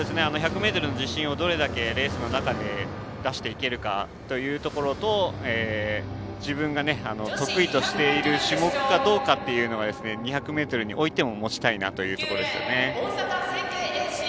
１００ｍの自身をどれだけレースの中で出せていけるかと自分が得意としている種目かどうかというのが２００ｍにおいても持ちたいなというところですね。